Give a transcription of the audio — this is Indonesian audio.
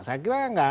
saya kira enggak